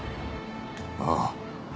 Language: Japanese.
ああ。